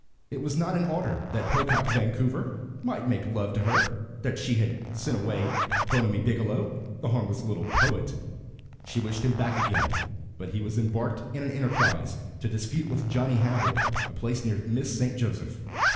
It was not in order that Pocock Vancouver might make love to her that she had sent away Bonamy Biggielow, the harmless little poet. She wished him back again, but he was embarked in an enterprise to dispute with Johnny Hannibal a place near Miss St. Joseph. Mrs.